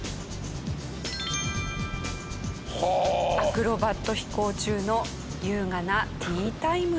アクロバット飛行中の優雅なティータイムでした。